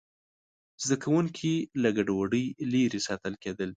زده کوونکي له ګډوډۍ لرې ساتل کېدل.